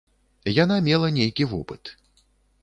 Яна мела нейкі вопыт.